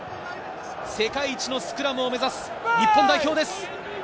世界一のスクラムを目指す日本代表です。